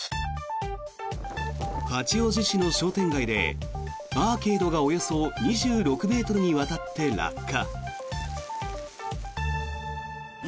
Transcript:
八王子市の商店街でアーケードがおよそ２６ｍにわたって落下。